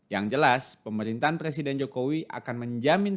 yang jelas pemerintahan presiden jokowi akan menjamin